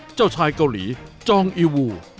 เจ้าชายเกาหลีจองอีวู